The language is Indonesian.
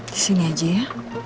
disini aja ya